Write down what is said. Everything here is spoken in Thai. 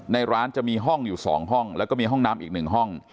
ในร้านจะมีห้องอยู่๒ห้องแล้วก็มีห้องน้ำอีก๑ห้อง